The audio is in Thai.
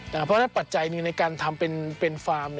เพราะฉะนั้นปัจจัยหนึ่งในการทำเป็นฟาร์ม